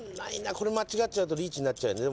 これ間違っちゃうとリーチになっちゃうよね。